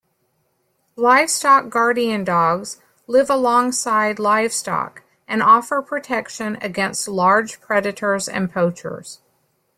Livestock guardian dogs live alongside livestock and offer protection against large predators and poachers.